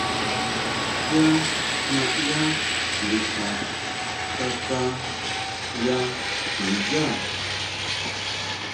Yá naʼyá ndija kaká ya ndiyá.